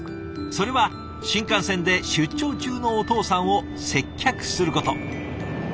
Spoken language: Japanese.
それは新幹線で出張中のお父さんを接客すること。